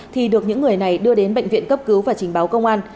thì được những người này đưa đến bệnh viện cấp cứu và trình báo công an